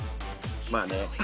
まあね。